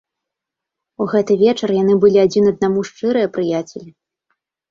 У гэты вечар яны былі адзін аднаму шчырыя прыяцелі.